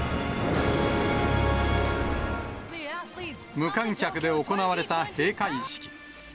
無観客で行われた閉会式。